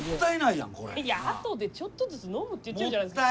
いや後でちょっとずつ飲むって言ってるじゃないですか。